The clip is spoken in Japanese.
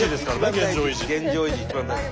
現状維持一番大事。